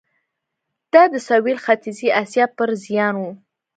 دا د سوېل ختیځې اسیا پر زیان و.